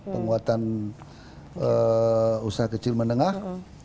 penguatan usaha kecil mendengah